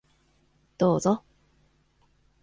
どうぞ。